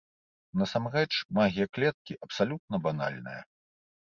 Насамрэч, магія клеткі абсалютна банальная.